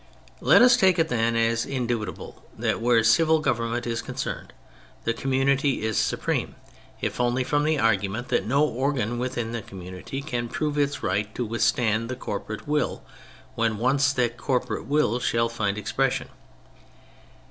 Let us take it, then, as indubitable that where civil government is concerned, the community is supreme, if only from the argument that no organ within the community can prove its right to withstand the corporate will when once that corporate will shall find expression.